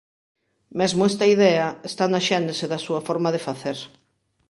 Mesmo esta idea está na xénese da súa forma de facer.